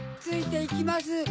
ついていきます